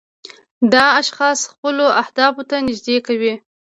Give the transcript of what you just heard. دا اشخاص خپلو اهدافو ته نږدې کوي.